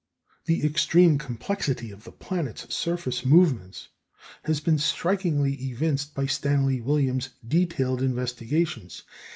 The extreme complexity of the planet's surface movements has been strikingly evinced by Mr. Stanley Williams's detailed investigations.